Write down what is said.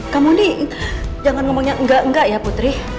kamu nih jangan ngomongnya enggak enggak ya putri